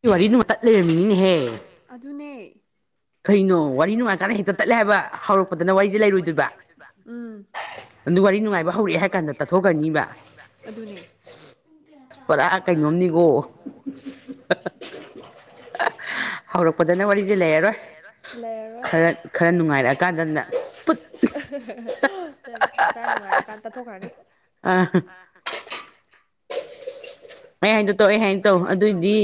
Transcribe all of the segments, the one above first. ꯑꯩ ꯋꯥꯔꯤ ꯅꯨꯡ ꯇꯠ ꯂꯩꯔꯝꯃꯤꯅꯤꯅꯦꯍꯦ ꯑꯗꯨꯅꯦ ꯀꯩꯅꯣ ꯋꯥꯔꯤ ꯅꯨꯡꯉꯥꯏꯔꯀꯥꯟꯗ ꯍꯦꯛꯇ ꯇꯠꯂꯦ ꯍꯥꯏꯕ ꯍꯧꯔꯛꯄꯗꯅ ꯋꯥꯔꯤꯖꯤ ꯂꯩꯔꯣꯏꯗꯣꯏꯕ ꯎꯪ ꯑꯗꯨ ꯋꯥꯔꯤ ꯅꯨꯡꯉꯥꯏꯕ ꯍꯧꯔꯛꯑꯦ ꯍꯥꯏ ꯀꯥꯟꯗ ꯇꯠꯊꯣꯛꯈ꯭ꯔꯅꯤꯕ ꯑꯗꯨꯅꯦ ꯄꯨꯡ ꯀꯌꯥ ꯇꯥꯒ꯭ꯔꯒꯦ [unintelligible] ꯄꯨꯔꯥ ꯀꯩꯅꯣꯝꯅꯤꯀꯣ ꯑꯍꯍ ꯍꯧꯔꯛꯄꯗꯅ ꯋꯥꯔꯤꯖꯦ ꯂꯩꯔꯔꯣꯏ ꯂꯩꯔꯔꯣꯏ ꯈꯔ ꯈꯔ ꯅꯨꯡꯉꯥꯏꯔꯛꯑꯀꯥꯟꯗꯅ ꯑꯍꯍ ꯍ ꯑꯗꯨꯅꯤ ꯈꯔ ꯅꯨꯉꯥꯏꯔꯀꯥꯟ ꯇꯠꯊꯣꯛꯈ꯭ꯔꯅꯤ ꯑꯥ ꯍ [unintelligible] ꯑꯩ ꯍꯥꯏꯗꯣ ꯇꯧ ꯑꯩ ꯍꯥꯏꯗꯣ ꯇꯧ ꯑꯗꯨꯑꯣꯏꯗꯤ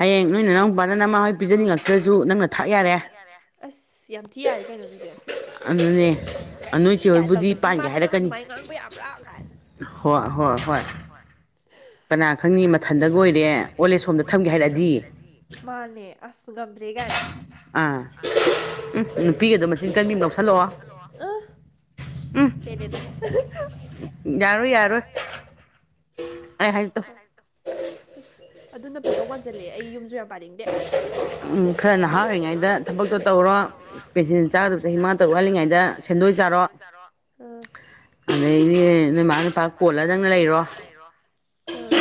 ꯍꯌꯦꯡ ꯅꯣꯏ ꯅꯅꯥꯎꯄꯥꯅ ꯅꯃꯥ ꯍꯣꯏ ꯄꯤꯖꯅꯤꯉꯛ ꯄꯤꯖꯅꯤꯡꯉꯛꯇ꯭ꯔꯁꯨ ꯅꯪꯅ ꯊꯥꯛ ꯌꯥꯔꯦ ꯑꯁ ꯌꯥꯝ ꯊꯤ ꯌꯥꯔꯦ ꯀꯩꯅꯣꯑꯗꯨꯗꯤ ꯑꯗꯨꯅꯦ ꯀꯔꯤ ꯒꯥꯏ ꯇꯧꯗꯅ ꯏꯃꯥꯗ ꯅꯪ ꯑꯗꯨꯃꯥꯏꯅ ꯉꯥꯡꯕ ꯌꯥꯕ꯭ꯔꯥ ꯒꯥꯏꯅ ꯍꯣ ꯍꯣ ꯍꯣꯏ ꯀꯅꯥ ꯈꯪꯅꯤ ꯃꯊꯟꯗꯒ ꯑꯣꯏꯔꯦ ꯑꯣꯜ ꯑꯦꯖ ꯍꯣꯝꯗ ꯊꯝꯒꯦ ꯍꯥꯏꯔꯛꯑꯗꯤ ꯃꯥꯅꯦ ꯑꯁ ꯉꯝꯗ꯭ꯔꯦ ꯒꯥꯏꯅ ꯑꯥ ꯎꯝ ꯅꯨꯄꯤꯒꯗꯣ ꯃꯆꯤꯟ ꯀꯟꯕꯤꯃ ꯂꯧꯁꯜꯂꯛꯑꯣ ꯄꯦꯂꯦꯗ ꯑꯍ ꯍ ꯌꯥꯔꯔꯣꯏ ꯌꯥꯔꯔꯣꯏ ꯑꯩ ꯍꯥꯏꯗꯣ ꯇꯧ ꯑꯁ ꯑꯗꯨꯅ ꯐꯥꯗꯣ ꯃꯟꯖꯤꯟꯂꯛꯑꯦ ꯑꯩ ꯌꯨꯝꯖꯨ ꯌꯥꯝ ꯄꯥꯟꯅꯤꯡꯗꯦ ꯎꯝ ꯈꯔ ꯅꯍꯥ ꯑꯣꯏꯔꯤꯉꯩꯗ ꯊꯕꯛꯇꯣ ꯇꯧꯔꯣ ꯄꯦꯟꯁꯤꯟ ꯆꯥꯗꯧ ꯆꯍꯤ ꯃꯉꯥ ꯇꯔꯨꯛ ꯋꯥꯠꯂꯤꯉꯩ ꯗ ꯁꯦꯟꯗꯣꯏ ꯆꯥꯔꯣ ꯑꯥ ꯑꯗꯩꯗꯤ ꯅꯣꯏ ꯃꯥ ꯅꯣꯏꯄꯥ ꯀꯣꯜꯂ ꯅꯪ ꯂꯩꯔꯣ ꯑꯥ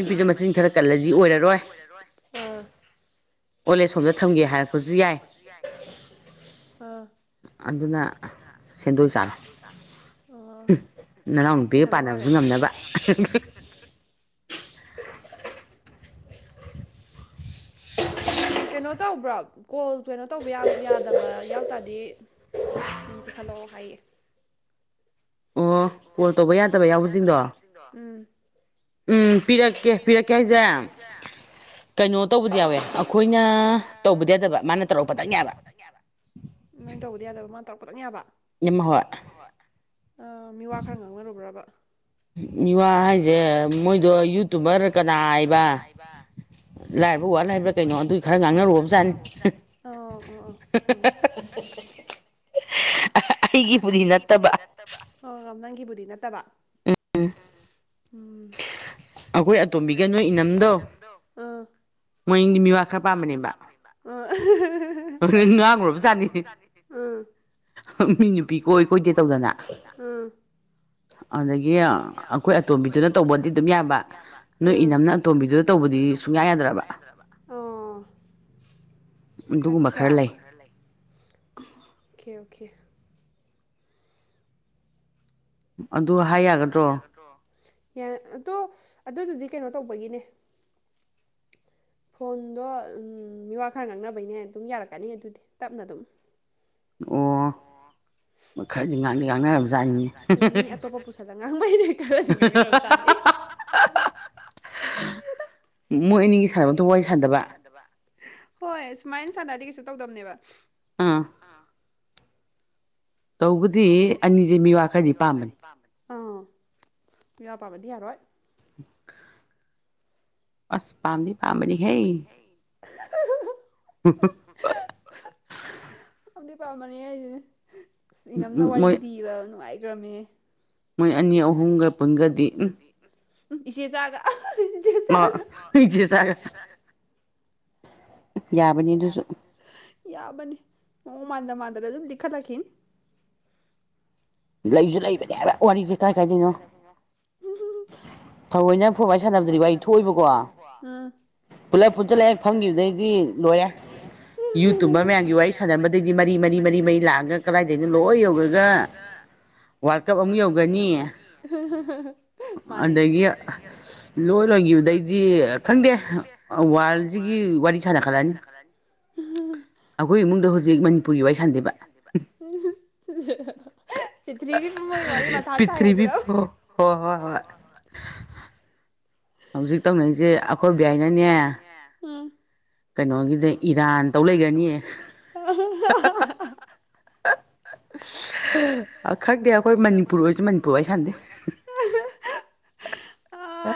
ꯅꯅꯥꯎꯅꯨꯄꯥꯥꯏ ꯅꯨꯄꯤꯗꯣ ꯃꯆꯤꯟ ꯈꯔ ꯀꯜꯂꯗꯤ ꯑꯣꯏꯔꯔꯣꯏ ꯑꯥ ꯑꯣꯜ ꯑꯦꯖ ꯍꯣꯝꯗ ꯊꯝꯒꯦ ꯍꯥꯏꯔꯛꯄꯖꯨ ꯌꯥꯏ ꯑ ꯑꯗꯨꯅ ꯁꯦꯟꯗꯣꯏ ꯆꯥꯔꯣ ꯑꯣ ꯑꯗꯨꯅ ꯐꯗꯧ ꯃꯥꯜꯂꯦ ꯅꯅꯥꯎꯄꯤꯒ ꯄꯥꯅꯕꯖꯨ ꯉꯝꯅꯕ [unintelligible] ꯎꯝ ꯀꯩꯅꯣ ꯇꯧꯕ꯭ꯔꯣ ꯀꯣꯜ ꯀꯩꯅꯣ ꯇꯧꯕ ꯌꯥ ꯌꯥꯗꯕ ꯌꯥꯎ ꯇꯥꯗꯤ ꯃꯤꯡ ꯄꯤꯈꯠꯂꯛꯑꯣ ꯍꯥꯏꯌꯦ ꯑꯣ ꯀꯣꯜ ꯇꯧꯕ ꯌꯥꯗꯕ ꯌꯥꯎꯕꯖꯤꯡꯗꯣ ꯗꯣ ꯎꯝ ꯎꯝ ꯄꯤꯔꯛꯀꯦ ꯄꯤꯔꯛꯀꯦ ꯍꯥꯏꯖꯦ ꯀꯩꯅꯣ ꯇꯧꯕꯗꯤ ꯌꯥꯎꯋꯦ ꯇꯧꯕꯗꯤ ꯌꯥꯎꯋꯦ ꯑꯈꯣꯏꯅ ꯇꯧꯕꯗꯤ ꯌꯥꯗꯕ ꯃꯥꯅ ꯇꯧꯔꯛꯄꯗꯪ ꯌꯥꯕ ꯅꯣꯏ ꯇꯧꯕꯗꯤ ꯌꯥꯗꯕ ꯃꯥ ꯇꯧꯔꯛꯄꯗꯪ ꯌꯥꯕ ꯎꯝ ꯍꯣꯏ ꯑꯥ ꯃꯤꯋꯥ ꯈꯔ ꯉꯥꯡꯅꯔꯨꯕ꯭ꯔꯕ ꯃꯤꯋꯥ ꯍꯥꯏꯖꯦ ꯃꯣꯏꯗꯣ ꯌꯨꯇꯨꯕꯔ ꯀꯅꯥ ꯍꯥꯏꯕ ꯂꯥꯏꯔꯕ ꯋꯥꯔꯜ ꯍꯥꯏꯕ꯭ꯔꯥ ꯀꯩꯅꯣ ꯑꯗꯨꯏ ꯈꯔ ꯉꯥꯡꯅꯔꯨꯔꯕꯖꯥꯠꯅꯤ ꯏꯍ ꯑ ꯑ ꯑ ꯍ ꯍ ꯍ ꯑꯍ ꯑꯩꯒꯤꯕꯨꯗꯤ ꯅꯠꯇꯕ ꯇꯕ ꯑꯣ ꯅꯪꯒꯤꯕꯨꯗꯤ ꯅꯠꯇꯕ ꯎꯝ ꯎꯝ ꯑꯈꯣꯏ ꯑꯇꯣꯝꯕꯤꯒ ꯅꯣꯏ ꯏꯅꯝꯗꯣ ꯑꯥ ꯃꯣꯏꯑꯅꯤ ꯃꯤꯋꯥ ꯈꯔ ꯄꯥꯝꯕꯅꯦꯕ ꯍꯍꯍ ꯑꯗꯨꯏ ꯉꯥꯡꯉꯨꯔꯕꯖꯥꯠꯅꯤ ꯑꯥ ꯃꯤ ꯅꯨꯄꯤ ꯀꯣꯏ ꯀꯣꯏꯗꯦ ꯇꯧꯗꯅ ꯑꯗꯒꯤ ꯑꯩꯈꯣꯏ ꯑꯇꯣꯝꯕꯤꯗꯨꯅ ꯇꯧꯕꯗꯤ ꯑꯗꯨꯝ ꯌꯥꯕ ꯅꯣꯏ ꯏꯅꯝꯅ ꯇꯣꯝꯕꯤꯗꯨꯗ ꯇꯧꯕꯗꯤ ꯁꯨꯡꯌꯥ ꯌꯥꯗ꯭ꯔꯕ ꯑꯣ ꯑꯆꯥ ꯑꯣꯀꯦ ꯑꯣꯀꯦ ꯑꯗꯨ ꯍꯥꯏ ꯌꯥꯒꯗ꯭ꯔꯣ ꯠꯇꯣ ꯌꯥ ꯑꯗꯣ ꯑꯗꯨꯗꯨꯗꯤ ꯀꯩꯅꯣ ꯇꯧꯕꯒꯤꯅꯦ ꯐꯣꯟꯗꯣ ꯃꯤꯋꯥ ꯈꯔ ꯉꯛꯅꯕꯩꯅꯦ ꯑꯗꯨꯝ ꯌꯥꯔꯛꯀꯅꯤ ꯑꯗꯨꯗꯤ ꯇꯞꯅ ꯑꯗꯨꯝ ꯑꯣ ꯈꯔꯗꯤ ꯉꯥꯡꯗꯤ ꯉꯥꯡꯅꯔꯔꯕꯖꯥꯅꯤꯅꯤ ꯃꯣꯏ ꯑꯅꯤꯒꯤ ꯁꯥꯟꯅꯕꯗꯨꯣ ꯋꯥꯔꯤ ꯁꯥꯟꯗꯕ ꯍꯣꯏ ꯁꯨꯃꯥꯏꯅ ꯁꯥꯟꯅꯗꯤ ꯀꯩꯁꯨ ꯇꯧꯗꯝꯅꯦꯕ ꯑꯥ ꯇꯧꯕꯗꯤ ꯑꯅꯤꯁꯦ ꯃꯤꯋꯥ ꯈꯔꯗꯤ ꯄꯥꯝꯕꯅꯤ ꯑꯥ ꯌ ꯄꯥꯕꯗꯤ ꯌꯥꯔꯣꯏ ꯑꯁ ꯄꯥꯝꯗꯤ ꯄꯥꯝꯕꯅꯤ ꯍꯩ [inaudible] ꯑꯗꯤ ꯄꯥꯝꯃꯅꯦ ꯑꯩꯁꯅꯦ ꯑꯁ ꯏꯅꯝꯅ ꯋꯥꯔꯤ ꯂꯤꯕ ꯅꯨꯡꯉꯥꯏꯈ꯭ꯔꯃꯦ ꯃꯣꯏ ꯑꯅꯤ ꯑꯍꯨꯝꯒ ꯄꯨꯟꯒꯗꯤ ꯎꯝ ꯏꯆꯦꯁꯒꯦꯁꯒꯦ ꯌꯥ ꯌꯥꯕꯅꯤ ꯑꯣ ꯃꯥꯗ ꯃꯥꯗꯔ ꯑꯗꯨꯝ ꯗꯤꯈꯥꯂꯈꯤ ꯂꯩꯁꯨ ꯂꯩꯕꯅꯦ ꯍꯥꯏꯕ ꯋꯥꯔꯤꯁꯦ ꯀꯥꯏ ꯀꯥꯏꯗꯣꯏꯅꯣ ꯊꯧꯑꯣꯏꯅꯪ ꯐꯣꯔꯃꯥꯏ ꯁꯥꯟꯅꯗ꯭ꯔꯤꯕ ꯑꯩ ꯊꯣꯛꯏꯕꯀꯣ ꯑꯥ ꯐꯨꯠꯂꯦ ꯐꯨꯠꯆꯜꯂꯛꯑꯦ ꯐꯝꯈꯤꯕꯗꯩꯗꯤ ꯂꯣꯏꯔꯦꯨꯝꯕ ꯃꯌꯥꯝꯒꯤ ꯋꯥꯔꯤ ꯁꯥꯕꯗꯩꯗꯤ ꯃꯔꯤ ꯃꯔꯤ ꯃꯔꯤ ꯃꯔꯤ ꯂꯥꯛꯑꯒ ꯀꯃꯏꯗꯒꯤꯩꯅꯣ ꯂꯣꯏ ꯌꯧꯔꯒ ꯋꯥꯔ ꯀꯞ ꯑꯃ ꯌꯧꯒꯅꯤ ꯃꯥꯅꯦ ꯑꯗꯒꯤ ꯂꯣꯏ ꯂꯣꯏꯈꯤꯕꯗꯩꯗꯤ ꯈꯪꯗꯦ ꯋꯥꯔꯜꯁꯤꯒꯤ ꯋꯥꯔꯤ ꯁꯥꯟꯅꯈꯠꯂꯛꯑꯅꯤ ꯝ [unintelligible] ꯑꯩꯈꯣꯏ ꯏꯃꯨꯡꯗ ꯍꯧꯖꯤꯛ ꯃꯅꯤꯄꯨꯔꯤ ꯋꯥꯔꯤꯏ ꯁꯥꯟꯗꯦꯕ [inaudible] ꯏꯊꯔꯤꯕꯤ ꯄꯇ꯭ꯕꯤ ꯍꯣꯏ ꯍꯣꯏ ꯍꯣꯏ ꯍꯧꯖꯤꯛ ꯇꯧꯅꯤꯡꯔꯤꯁꯦ ꯑꯩꯈꯣꯏ ꯕꯕꯤꯏꯅꯅꯦ ꯀꯩꯅꯣꯒꯤꯗ ꯏꯔꯥꯟ ꯇꯧ ꯂꯩꯒꯅꯤꯌꯦ ꯑ ꯈꯒꯦ ꯑꯩꯈꯣꯏ ꯃꯅꯤꯄꯨꯔ ꯑꯣꯏꯁꯨ ꯃꯅꯤꯄꯨꯔꯋꯥ ꯁꯥꯟꯗꯦ ꯑ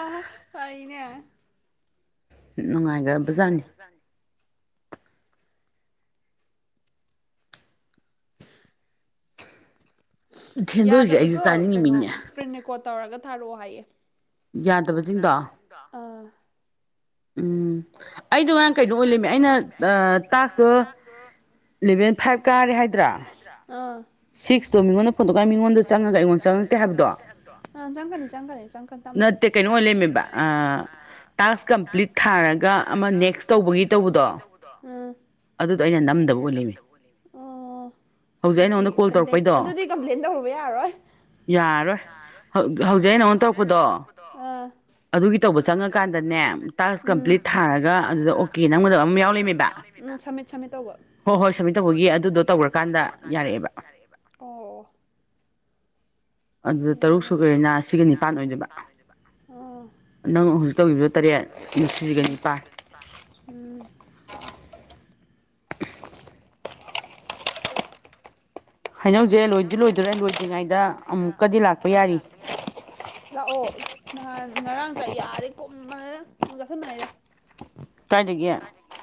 ꯐꯅꯦ ꯅꯨꯡꯉꯥꯏꯈ꯭ꯔ ꯕꯖꯥꯔꯅꯤ ꯌꯥꯗꯕꯗꯣ ꯀꯩꯅꯣ ꯏꯁ꯭ꯔꯤꯟ ꯔꯦꯀꯣꯔꯠ ꯇꯧꯔꯒ ꯊꯥꯔꯛꯑꯣ ꯍꯥꯏꯌꯦꯗ ꯑꯥ ꯎꯝ ꯑꯩꯗꯣ ꯉꯔꯥꯡ ꯀꯩꯅꯣ ꯑꯣꯏꯂꯝꯃꯤ ꯑꯩꯅ ꯇꯥꯛꯇꯣ ꯂꯦꯚꯦꯟ ꯐꯥꯏꯚ ꯀꯥꯔꯦ ꯍꯥꯏꯗ꯭ꯔꯥ ꯁꯤꯁꯇꯣꯉꯣꯟꯗ ꯐꯣꯛ ꯃꯤꯉꯣꯟꯗ ꯆꯪꯉ ꯑꯩꯉꯣꯟꯗ ꯆꯪꯉꯗꯦ ꯍꯥꯏꯕꯗꯣꯪꯅꯤ ꯆꯪꯒꯅꯤ [unintelligible] ꯅꯠꯇꯦ ꯀꯩꯅꯣ ꯑꯣꯏ ꯂꯩꯔꯝꯃꯦꯕ ꯇꯥꯀꯁ ꯀꯝꯄ꯭ꯂꯤ ꯊꯥꯔꯒ ꯑꯃ ꯅꯦꯛꯁ ꯇꯧꯕꯒꯤ ꯇꯧꯕꯗꯣ ꯑ ꯑꯗꯨꯗꯣ ꯑꯩꯅ ꯅꯝꯗꯕꯩ ꯑꯣꯏ ꯂꯩꯔꯝꯃꯦ ꯑꯣ ꯑꯗꯨꯗꯤ [unintelligible] ꯀꯝꯄ꯭ꯂꯦꯟ ꯑꯗꯨꯗꯤ ꯀꯝꯄ꯭ꯂꯦꯟ ꯇꯧꯔꯨꯕ ꯌꯥꯔꯔꯣꯏ ꯌꯥꯔꯔꯣꯏ ꯍꯧꯖꯤꯛ ꯑꯩ ꯅꯪꯉꯣꯟꯗ ꯇꯧꯔꯛꯄꯗꯣ ꯑꯥ ꯑꯗꯨꯒꯤ ꯇꯧꯕ ꯆꯪꯉꯀꯥꯟꯗꯅꯦ ꯇꯥꯁ ꯀꯥꯝꯄꯤꯂꯤꯠ ꯊꯥ ꯑꯗꯨꯗ ꯑꯣꯀꯦ ꯅꯝꯒꯗꯕ ꯑꯃ ꯌꯥꯎ ꯂꯩꯔꯝꯃꯦꯕ ꯎꯝ ꯁꯥꯃꯤꯠ ꯁꯥꯃꯤꯠ ꯇꯧꯕ ꯍꯣ ꯍꯣꯏ ꯁꯃꯤꯠ ꯇꯧꯕꯒꯤ꯫ ꯌꯥꯔꯛꯑꯦꯕ꯫ ꯌꯥꯔꯛꯑꯦꯕ ꯑꯣ ꯑꯗꯨꯗ ꯇꯔꯨꯛ ꯁꯨꯒ꯭ꯔꯦꯅ ꯁꯤꯒ ꯅꯤꯄꯥꯟ ꯑꯣꯏꯗꯣꯏꯕ꯫ ꯑꯣꯥ꯫ ꯅꯪ ꯍꯧꯖꯤꯛ ꯇꯧꯒꯤꯕꯗꯨꯒ ꯇꯔꯦꯠ ꯁꯤꯒ ꯅꯤꯄꯥꯟ꯫ ꯎꯝ꯫ ꯍꯥꯏꯅꯧꯁꯦ ꯂꯣꯏꯗꯤ ꯂꯣꯏꯗꯧꯔꯦ ꯂꯣꯏꯗ꯭ꯔꯤꯉꯩꯗ ꯑꯃꯨꯛꯀꯗꯤ ꯂꯥꯛꯄ ꯌꯥꯔꯤ꯫ ꯂꯥꯛꯑꯣ ꯅꯍꯥꯟ ꯉꯔꯥꯡ ꯆꯥꯏ ꯌꯥꯗꯤ ꯀꯨꯝꯕꯅ ꯑꯃꯨꯛ ꯆꯥꯁꯤꯟꯕꯅꯤ ꯑꯩꯅ꯫ ꯀꯥꯏꯗꯒꯤ꯫ ꯀꯥꯏꯗꯒꯤ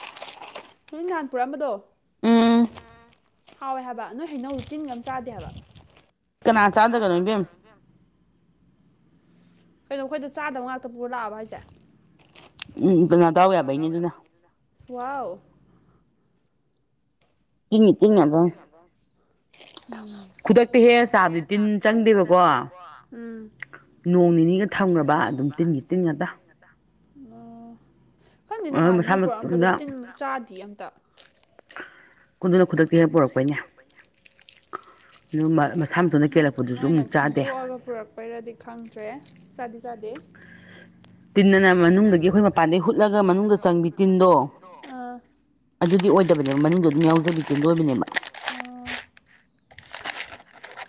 ꯅꯣꯏ ꯅꯍꯥꯟ ꯄꯨꯔꯛꯑꯝꯕꯗꯣ꯫ ꯎꯝ ꯍꯥꯎꯋꯦ ꯍꯥꯏꯕ ꯅꯣꯏ ꯍꯩꯅꯧꯗꯨ ꯇꯤꯟꯒ ꯑꯃ ꯆꯥꯗꯦ ꯍꯥꯏꯕ꯫ ꯀꯅꯥ ꯆꯥꯗꯅꯣ ꯏꯕꯦꯝꯃꯥ꯫ ꯀꯩꯅꯣ ꯑꯩꯈꯣꯏꯗ ꯆꯥꯗꯕ ꯉꯥꯛꯇ ꯄꯨꯔ ꯂꯥꯛꯑꯕ ꯍꯥꯏꯁꯦ꯫ ꯎꯝ ꯑꯗꯨ ꯅꯥꯗꯥꯎ ꯌꯥꯕꯩꯅꯤ ꯑꯗꯨꯅ꯫ ꯑꯁ ꯋꯥꯎ꯫ ꯇꯤꯟꯒꯤ ꯇꯤꯟꯉꯥꯛꯇꯅꯤ꯫ ꯎꯝ ꯈꯨꯗꯛꯇ ꯍꯦꯛꯑ ꯆꯥꯕꯗꯤ ꯇꯤꯟ ꯆꯪꯗꯦꯕꯀꯣ꯫ ꯅꯣꯡ ꯅꯤꯅꯤꯒ ꯊꯝꯈ꯭ꯔꯕ ꯑꯗꯨꯝ ꯇꯤꯟꯒꯤ ꯇꯤꯟꯉꯥꯛꯇ꯫ ꯑꯣ ꯈꯪꯗꯦ ꯅꯍꯥꯟ ꯅꯣꯏ ꯄꯨꯔꯛꯑꯝꯕꯗꯣ ꯇꯤꯟ ꯆꯥꯗꯤꯌꯦ ꯑꯝꯇ꯫ ꯑꯗꯨꯅ ꯈꯨꯨꯗꯥꯛꯇ ꯍꯦꯛꯑ ꯄꯨꯔꯛꯄꯩꯅꯦ ꯑꯗꯨꯝꯕ꯫ ꯅꯣꯏ ꯅꯣꯏꯅ ꯈꯟꯇꯣꯛꯑꯒ ꯄꯨꯔꯛ ꯑꯣꯏꯔꯗꯤ ꯈꯪꯗ꯭ꯔꯦ ꯆꯥꯗꯤ ꯆꯥꯗꯦ꯫ ꯇꯤꯟꯅꯅ ꯃꯅꯨꯡꯗꯒꯤ ꯑꯩꯈꯣꯏ ꯃꯄꯥꯟꯗꯒꯤ ꯍꯨꯠꯂꯒ ꯃꯅꯨꯡꯗ ꯆꯪꯕꯤ ꯇꯤꯟꯗꯣ꯫ ꯑꯗꯨꯗꯤ ꯑꯣꯏꯗꯕꯅꯦꯕ ꯃꯅꯨꯡꯗ ꯑꯗꯨꯝ ꯌꯥꯎꯖꯕꯤ ꯇꯤꯟꯗꯣ ꯑꯣꯏꯕꯅꯦꯕ꯫ ꯑꯣ꯫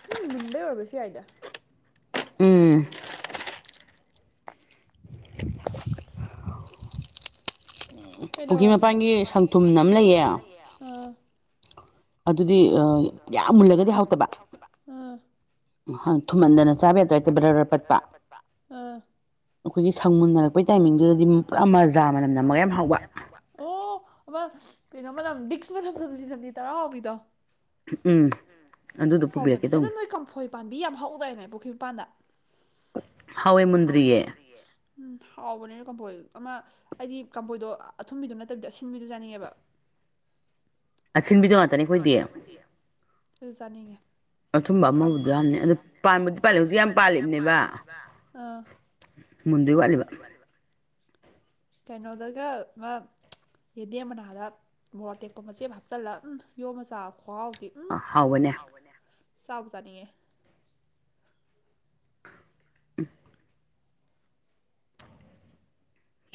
ꯊꯤ ꯃꯨꯟꯕꯩ ꯑꯣꯏꯔꯝꯕꯁꯨ ꯌꯥꯏꯗ꯫ ꯎꯝ꯫ ꯀꯩꯗꯧꯔꯝꯃꯤꯅꯣ ꯄꯨꯈꯔꯤ ꯃꯄꯥꯟꯒꯤ ꯁꯪꯇꯣꯝ ꯑꯃ ꯂꯩꯌꯦ꯫ ꯑꯗꯨꯗꯤ ꯌꯥꯝ ꯃꯨꯜꯂꯒꯗꯤ ꯍꯥꯎꯇꯕ꯫ ꯑꯥ [unintelligible] ꯊꯨꯝꯃꯟꯗꯅ ꯆꯥꯕ ꯌꯥꯗꯦ ꯕꯥꯔ ꯕꯥꯔ ꯄꯠꯄ꯫ ꯑꯥ ꯑꯩꯈꯣꯏꯒꯤ ꯁꯪ ꯃꯨꯟꯅꯔꯛꯄꯩ ꯇꯥꯏꯃꯤꯡꯗꯨꯗꯗꯤ ꯄꯨꯔꯥ ꯃꯖꯥ ꯃꯅꯝ ꯅꯝꯃꯒ ꯌꯥꯝ ꯍꯥꯎꯕ꯫ ꯑꯣ ꯑꯃ ꯀꯩꯅꯣ ꯃꯥꯅꯝ ꯕꯤꯛꯁ ꯃꯥꯅꯝ ꯅꯝꯂꯤ ꯅꯝꯂꯤ ꯇꯧꯔ ꯍꯥꯎꯕꯤꯗꯣ꯫ ꯎꯝ꯫ ꯍꯕꯅꯦ ꯑꯦꯗꯣ ꯅꯣꯏ ꯀꯝꯐꯣꯏ꯫ ꯄꯥꯟꯕꯤ ꯌꯥꯝ ꯍꯧꯗꯔꯏꯅꯦ ꯄꯨꯈ꯭ꯔꯤ ꯃꯄꯥꯟꯗ ꯍꯧꯋꯦ ꯃꯨꯟꯗ꯭ꯔꯤꯌꯦ꯫ ꯎꯝ ꯍꯥꯎꯕꯅꯤꯅ ꯀꯝꯐꯣꯏꯗꯣ ꯑꯃ ꯍꯥꯏꯗꯤ ꯀꯝꯐꯣꯏꯗꯣ ꯑꯊꯨꯝꯕꯤꯗꯣ ꯅꯠꯇꯕꯤꯗ ꯑꯁꯤꯟꯕꯤꯗꯨ ꯆꯥꯅꯤꯡꯉꯦꯕ꯫ ꯑꯁꯤꯟꯕꯤꯗꯣ ꯉꯥꯛꯇꯅꯦ ꯑꯩꯈꯣꯏꯗꯤ꯫ ꯑꯗꯨ ꯆꯥꯅꯤꯡꯉꯦ꯫ ꯑꯊꯨꯝꯕ ꯑꯃꯕꯨꯗꯤ ꯌꯥꯎꯔꯝꯅꯤ ꯑꯗꯨ ꯄꯥꯟꯕꯗꯤ ꯄꯥꯜꯂꯤ ꯍꯧꯖꯤꯛ ꯌꯥꯝ ꯄꯥꯜꯂꯤꯅꯦꯕ꯫ ꯃꯨꯟꯗꯣꯏ ꯋꯥꯠꯂꯤꯕ꯫ ꯀꯩꯅꯣꯗꯒ ꯑꯃ꯫ ꯌꯦꯟꯗꯦꯝ ꯃꯅꯥꯗ ꯃꯣꯔꯣꯛ ꯑꯇꯦꯛꯄ ꯃꯆꯦꯠ ꯑꯃ ꯍꯥꯞꯆꯤꯜꯂ ꯎꯝ ꯌꯣꯝꯃ ꯆꯥꯕ ꯈꯨꯍꯥꯎꯗꯤ꯫ ꯍꯥꯎꯕꯅꯦ ꯆꯕꯨ ꯆꯥꯅꯤꯡꯉꯦ꯫ [inaudible]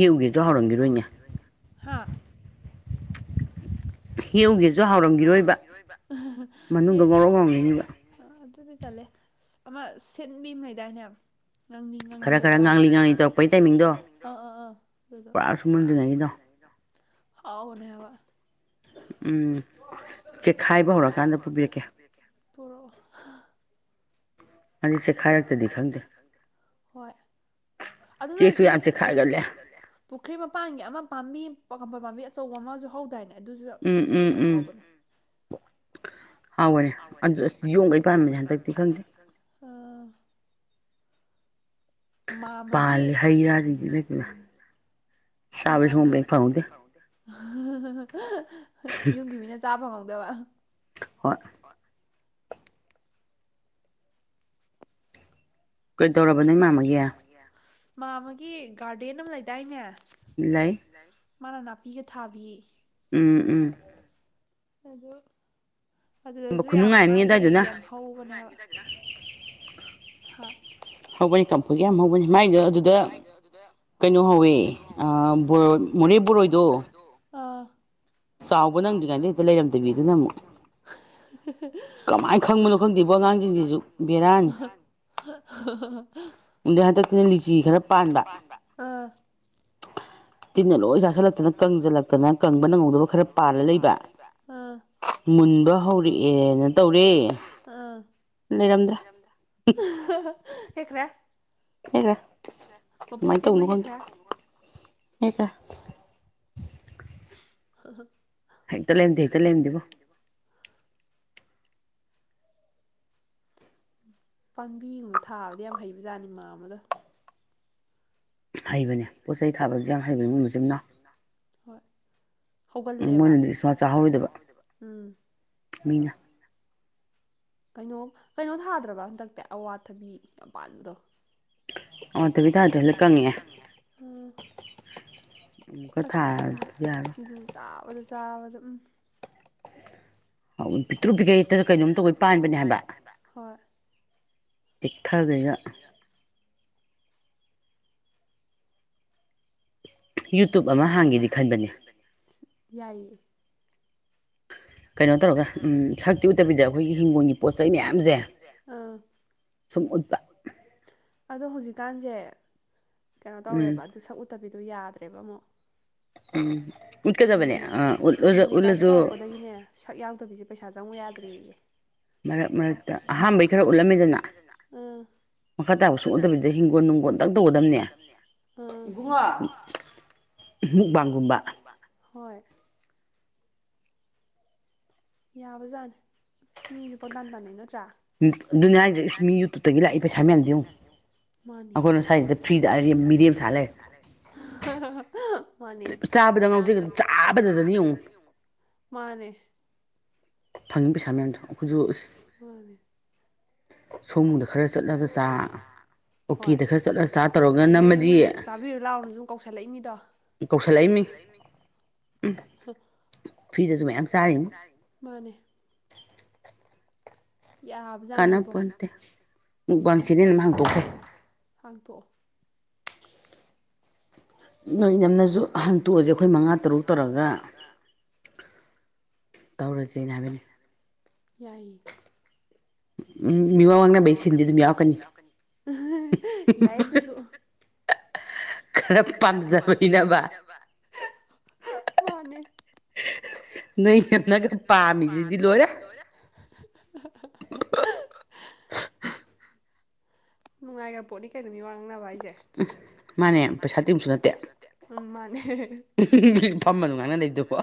ꯍꯦꯛꯎꯒꯦꯖꯨ ꯍꯥꯎꯔꯝ ꯒꯤꯔꯣꯏꯅꯦ꯫ [unintelligible] ꯍꯥꯥ ꯌꯨꯝꯒꯤ ꯖꯨ ꯍꯥꯎꯔꯝ ꯒꯤ ꯔ‌ꯣꯏꯕꯥ [unintelligible] ꯃꯅꯨꯡꯗꯥ ꯉ‌ꯣꯔ‌ꯣꯛ ꯉꯧꯔꯝ ꯑꯥ ꯑꯗꯨꯗꯤ ꯇꯜꯂꯦ ꯑꯃꯥ ꯁꯤꯟꯕꯤꯃꯥ ꯂꯩꯗꯥꯏꯅꯦ ꯉꯥꯡꯂꯤ ꯉꯥꯡꯂꯤꯒ ꯇꯧꯔꯒ ꯈꯔ ꯈꯔ ꯉꯥꯡꯂꯤ ꯉꯥꯡꯂꯤ ꯇ‌ꯧꯔꯛꯄꯩ ꯇꯥꯏꯃꯤꯡ ꯗ‌ꯣ ꯑꯥ ꯑꯥ ꯑꯗꯨꯗ‌ꯣ ꯄꯨꯔꯥꯁꯨ ꯃꯨꯟꯖꯟ [inaudible] ꯍꯥꯎꯕꯅꯦꯕ ꯎꯝ ꯆꯦꯛꯈꯥꯏꯕ ꯍꯧꯔꯀꯥꯟꯗ ꯄꯨꯕꯤꯔꯛꯀꯦ ꯄꯨꯔꯛ ꯑ‌ꯣ ꯍꯥ ꯃꯥꯗꯤ ꯆꯦꯈꯥꯏꯔꯛꯇꯗꯤ ꯈꯪꯗꯦ ꯍꯣꯏ ꯑꯗꯨ ꯅ‌‌ꯣ ꯑꯁꯤꯒꯤ ꯆ‌ꯦꯔ‌ꯦ ꯆ‌ꯦꯔ‌‌ꯦ ꯌꯥꯝ ꯆ‌ꯦꯈꯥꯏꯒꯜꯂ‌ꯦ ꯄꯨꯈ꯭ꯔꯤ ꯃꯄꯥꯟꯒꯤ ꯑꯃ ꯄꯥꯝꯕꯤ ꯀꯐꯣꯏ ꯄꯥꯝꯕꯤ ꯑꯆꯧꯕ ꯑꯃꯁꯨ ꯍꯧꯗꯥꯏꯅꯦ ꯎꯝ ꯎꯝ ꯎꯝ ꯍꯥꯎꯋ‌ꯦ ꯑꯗꯨ ꯑꯁ ꯌꯣꯝꯒꯩ ꯄꯥꯟꯕꯅꯦ ꯍꯟꯗꯛꯇꯤ ꯈꯪꯗꯦ ꯑꯥ ꯃꯥꯝꯃꯒꯤ ꯄꯥꯜꯂꯤ ꯍꯩꯔꯥ ꯖꯤꯡ [unintelligible] ꯃꯥꯃꯥ ꯆꯥꯕꯁꯨ ꯑꯝꯇ ꯍ‌ꯦꯛ ꯐ‌ꯪꯍꯧꯗ‌ꯦ ꯌꯨꯝꯒꯤ ꯃꯤꯅ ꯆꯥ ꯐꯪꯍꯧꯗꯕ ꯍꯣꯏ ꯀꯩꯗꯧꯔꯕꯥ ꯅ‌ꯣꯏ ꯃꯥꯝꯃꯒꯤ ꯃꯥꯝꯃꯥꯒꯤ ꯒꯥꯔꯗꯦꯟ ꯑꯃ ꯂꯩꯗꯥꯏꯅꯦ ꯂꯩ ꯃꯥꯅ ꯅꯥꯄꯤꯒ ꯊꯥꯕꯤ ꯎꯝ ꯎꯝ ꯑꯗꯨ ꯑꯗꯨꯗꯖꯨ ꯌꯥꯝ ꯃꯥꯥꯏꯌꯦ ꯌꯥꯝ ꯍꯧꯕꯅ‌ꯦ [unintelligible] ꯍꯥ ꯍꯧꯕꯅꯤ ꯀꯐꯣꯏ ꯒꯥ ꯌꯥꯝ ꯍꯧꯕꯅꯤ ꯃꯥꯏꯗꯣ ꯑꯗꯨꯗ ꯀꯩꯅꯣ ꯍꯧꯋꯦ ꯑ ꯕ‌ꯣꯔ‌ꯣꯏ ꯃ‌ꯣꯔ‌ꯦ ꯕꯣꯔꯣꯏꯗꯣ ꯑꯥ ꯆꯥꯎꯕ ꯅꯪꯗꯤꯉꯥꯏꯗ ꯍꯦꯛꯇ ꯂꯩꯔꯝꯗꯕꯤꯗꯨꯅ ꯑꯃꯨꯛ ꯀꯃꯥꯏ ꯈꯪꯕꯅꯣ ꯈꯪꯗꯦꯕ ꯑꯉꯥꯡꯁꯤꯡꯖꯤꯖꯨ [unintelligible] ꯑꯗꯨꯗꯩ ꯍꯟꯗꯛꯇꯅ ꯂꯤꯆꯤ ꯈꯔꯥ ꯄꯥꯟꯕ ꯇꯤꯟꯅ ꯂꯣꯏ ꯆꯥꯁꯜꯂꯛꯇꯅ ꯀꯪꯖꯜꯂꯛꯇꯅ ꯀꯪꯕ ꯅꯪꯍꯧꯗꯕ ꯈꯔ ꯄꯥꯜꯂ ꯂꯩꯕ ꯃꯨꯟꯕ ꯍꯧꯔꯛꯑꯦꯅ ꯇꯧꯔꯦ ꯂꯩꯔꯝꯗ ꯍꯦꯛꯈꯔꯦ ꯍꯦꯛꯈ꯭ꯔꯦ ꯀꯃꯥꯏꯅ ꯇꯧꯕꯅꯣ ꯈꯣꯗꯦ ꯍꯦꯛꯈ꯭ꯔ‌ꯦ [unintelligible] ꯍꯦꯛꯇ ꯂꯩꯔꯝꯗꯦ ꯍꯦꯛꯇ ꯂꯩꯔꯝꯗꯦꯕꯣ ꯄꯥꯝꯕꯤ ꯒꯨꯝꯕꯥ ꯊꯥꯕꯗꯤ ꯌꯥꯝ ꯍꯩꯕ ꯖꯥꯠꯅꯤ ꯃꯥꯝꯃꯥ ꯗꯣ ꯍꯩꯕꯅꯦ ꯄꯣꯠ ꯆꯩ ꯊꯥꯕꯖꯨ ꯌꯥꯝ ꯍꯩꯕꯅꯦ ꯃꯣꯏ ꯃꯆꯤꯟ ꯃꯅꯥꯎ ꯍꯣꯏ ꯍꯧꯒꯜꯂꯦꯕ ꯃ‌ꯣꯏꯅ ꯗꯤ ꯁꯨꯛ ꯆꯥ ꯆꯥꯍꯧꯔ‌ꯣꯏ ꯗꯕꯥ ꯎꯝ ꯃꯤꯅꯥ ꯀꯩꯅꯣ ꯀꯩꯅꯣ ꯊꯥꯗ꯭ꯔꯕ ꯍꯟꯗꯛꯇꯤ ꯑꯋꯥꯊꯕꯤ ꯌꯥꯝ ꯄꯥꯟꯕꯗꯣ ꯑꯋ꯭ꯊꯥꯕꯤ ꯊꯗꯔꯦ ꯗꯥ ꯀꯪꯉꯥꯛꯑ‌ꯦ ꯑꯁ ꯁꯤꯡ ꯁꯤꯖꯨ ꯆꯥꯕꯗ ꯆꯥꯕꯗ ꯎꯝ ꯄꯤꯛꯇ꯭ꯔꯨ ꯄꯤꯛꯀꯩ ꯍ‌ꯦꯛꯇꯥ ꯀꯩꯅꯣꯝꯇ ꯇꯧꯒꯩ ꯄꯥꯟꯕꯅꯦ ꯍꯥꯏꯕ ꯍꯣꯏ ꯇꯦꯛꯊꯥꯥ ꯒꯩꯒꯥ ꯌꯨꯇꯨꯕ ꯑꯃ ꯍꯥꯡꯒꯦꯗꯤ ꯈꯟꯕꯅꯦ ꯌꯥꯏꯌꯦ ꯀꯩꯅꯣ ꯇꯧꯔꯒ ꯎꯝ ꯁꯛꯇꯤ ꯎꯠꯇꯕꯤꯗ ꯑꯩꯈꯣꯏꯒꯤ ꯍꯤꯡꯒꯣꯜꯒꯤ ꯄꯣꯠꯆꯩ ꯃꯌꯥꯝꯁꯦ ꯁꯨꯝ ꯎꯠꯄ ꯑꯗꯣ ꯍꯧꯖꯤꯛꯀꯥꯟꯁꯦ ꯀꯩꯅꯣ ꯇꯧꯔꯦꯕ ꯑꯗꯨ ꯁꯛꯎꯇꯕꯤꯗꯣ ꯌꯥꯗ꯭ꯔꯦꯕ ꯑꯃꯨꯛ ꯃꯣꯏꯒꯤ [unintelligible] ꯃꯣꯅꯤ ꯃꯣꯅꯤꯇꯥꯏꯁ ꯇꯧꯔꯛꯄꯗꯒꯤꯅꯦ ꯁꯛ ꯌꯥꯎꯗꯕꯤꯖꯦ ꯄꯩꯁꯥ ꯆꯪꯉꯣ ꯌꯥꯗ꯭ꯔꯦꯌꯦ ꯃꯔꯛ ꯃꯔꯛꯇ ꯑꯍꯥꯝꯕꯩ ꯈꯔ ꯎꯠꯂꯝꯃꯦꯗꯅ ꯑꯥ ꯃꯈꯥ ꯇꯥꯕ ꯁꯨꯛ ꯎꯠꯇꯕꯤꯗ ꯍꯤꯡꯒꯣꯜ ꯅꯨꯡꯒꯣꯜꯗꯪ ꯇꯧꯒꯗꯕꯅꯦ ꯏꯕꯨꯡꯉꯣ ꯃꯨꯛꯕꯥꯡ ꯒꯨꯝꯕ ꯍꯣꯏ ꯌꯥꯕ ꯖꯥꯠꯅꯤ ꯑꯁ ꯃꯤꯖꯨ ꯄꯪꯇꯥꯟ ꯇꯥꯟꯅꯩ ꯅꯠꯇ꯭ꯔꯥ ꯎꯝ ꯑꯗꯨꯅꯤ ꯍꯥꯏꯖꯦ ꯏꯁ ꯃꯤ ꯌꯨꯇꯨꯞꯇꯒꯤ ꯂꯥꯛꯑꯤ ꯄꯩꯁꯥ ꯃꯌꯥꯝꯖꯦ ꯌꯦꯡꯉꯨ ꯃꯥꯅꯤ ꯑꯩꯈꯣꯏꯅ ꯁꯥꯏꯖꯤꯗ ꯐ꯭ꯔꯤꯗ ꯑꯔꯦꯝ ꯃꯤꯔꯦꯝ ꯁꯥ ꯂꯩꯔꯦ [inaudible] ꯃꯥꯅꯦ ꯆꯥꯕꯗ ꯉꯥꯎꯖꯩꯗꯣ ꯆꯥꯕꯗꯗꯅꯦ ꯌꯦꯡꯉꯣ ꯃꯥꯅꯦ ꯐꯪꯏ ꯄꯩꯁꯥ ꯃꯌꯥꯝꯗꯨ ꯑꯩꯈꯣꯏꯖꯨ ꯏꯁ ꯁꯥꯑꯣꯝꯕꯨꯡꯗ ꯈꯔ ꯆꯠꯂꯒ ꯆꯥ ꯍꯣꯏ ꯑꯣꯀꯦ ꯗ ꯆꯠꯂ ꯆꯥ [unintelligible] ꯑꯗꯩ ꯃꯤꯅ ꯆꯥꯕꯤꯔꯨ ꯂꯥꯎꯅꯖꯨ ꯀꯧꯁꯜꯂꯛꯏꯅꯤꯗꯣ ꯀꯧꯁꯤꯜꯂꯛꯏꯝꯅꯤ ꯎꯝ ꯐ꯭ꯔꯤꯗꯖꯨ ꯃꯌꯥꯝ ꯆꯥꯔꯤꯅꯤ ꯃꯥꯅꯦ ꯌꯥꯕꯖꯥꯠꯅꯤꯕꯣ ꯀꯥꯟꯅꯄꯣꯟꯇꯦ ꯃꯨꯛꯕꯥꯡ ꯆꯦꯅꯦꯜ ꯑꯃ ꯍꯥꯡꯇꯣꯛꯀꯦ ꯍꯥꯡꯇꯣꯛꯑꯣ ꯅꯣꯏꯅꯝꯅꯖꯨ ꯍꯟꯇꯣꯛꯑꯖꯦ ꯑꯩꯈꯣꯏ ꯃꯉꯥ ꯇꯔꯨꯛ ꯇꯧꯔꯒ ꯇꯧꯔꯖꯦꯅ ꯍꯥꯏꯕꯅꯤ ꯌꯥꯏꯌꯦ ꯎꯝ ꯃꯤꯋꯥ ꯉꯥꯡꯅꯕꯩ ꯁꯤꯟꯗꯤ ꯑꯗꯨꯝ ꯌꯥꯎꯔꯛꯀꯅꯤ [inaudible] ꯌꯥꯏꯌꯦ ꯑꯗꯨꯁꯨ ꯈꯔ ꯄꯥꯝꯖꯕꯅꯤꯅꯕ [inaudible] ꯃꯥꯅꯦ [inaudible] ꯅꯣꯏ ꯅꯝꯅꯒ ꯄꯥꯝꯃꯤꯖꯤꯗꯤ ꯂꯣꯏꯔꯦ ꯂꯣꯏꯔꯦ [inaudible] ꯅꯨꯡꯉꯥꯏꯔ ꯄꯣꯠꯅꯤ ꯀꯩꯅꯣ ꯃꯤꯋꯥꯥ ꯉꯥꯡꯅꯕ ꯍꯥꯏꯖꯦ [unintelligible] ꯃꯥꯅꯦ ꯄꯩꯁꯥ ꯇꯤꯡꯕꯁꯨ ꯅꯠꯇꯦ ꯎꯝ ꯃꯥꯅꯦ [inaudible] [inaudible] ꯐꯝꯃ ꯑꯗꯨꯝ ꯉꯥꯡꯅ ꯂꯩꯕꯗꯨꯕꯣ